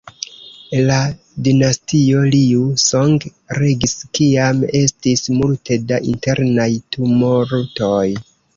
La dinastio Liu Song regis kiam estis multe da internaj tumultoj.